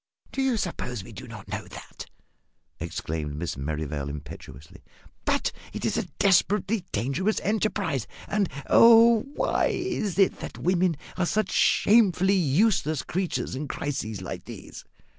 "Do you suppose we do not know that?" exclaimed Miss Merrivale, impetuously. "But it is a desperately dangerous enterprise; and if oh, why is it that women are such shamefully useless creatures in crises like these?